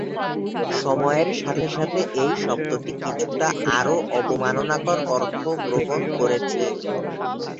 সময়ের সাথে সাথে এই শব্দটি কিছুটা আরও অবমাননাকর অর্থ গ্রহণ করেছে।